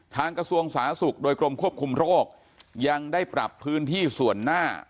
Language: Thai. กระทรวงสาธารณสุขโดยกรมควบคุมโรคยังได้ปรับพื้นที่ส่วนหน้า